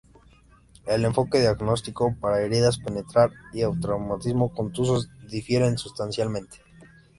El enfoque diagnóstico para heridas penetrar y traumatismos contusos difieren sustancialmente.